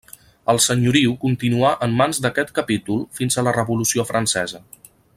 El senyoriu continuà en mans d'aquest capítol fins a la Revolució Francesa.